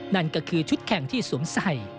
นั่นก็คือชุดแข่งที่สวมใส่